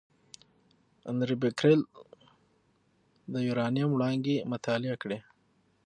انري بکرېل د یورانیم وړانګې مطالعه کړې.